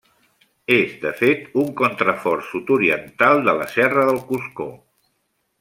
És, de fet, un contrafort sud-oriental de la Serra del Coscó.